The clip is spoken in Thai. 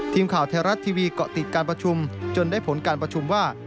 ทีมข่าวไทยรัฐทีวีเกาะติดการประชุมจนได้ผลการประชุมว่า